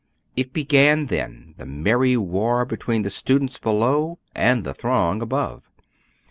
It began then, the merry war between the students below and the throng above.